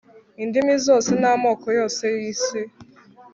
indimi zose n'amoko yose yisi